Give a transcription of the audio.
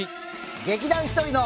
劇団ひとりの。